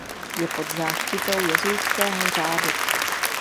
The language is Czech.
Je pod záštitou jezuitského řádu.